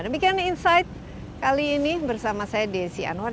demikian insight kali ini bersama saya desi anwar